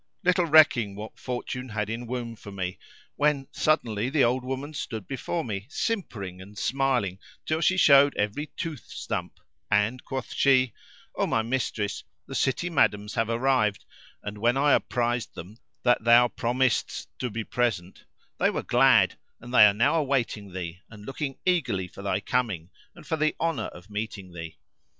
Little recking what Fortune had in womb for me, when suddenly the old woman stood before me, simpering and smiling till she showed every tooth stump, and quoth she, "O my mistress, the city madams have arrived and when I apprized them that thou promisedst to be present, they were glad and they are now awaiting thee and looking eagerly for thy coming and for the honour of meeting thee."